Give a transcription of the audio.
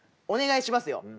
お願いしますよ。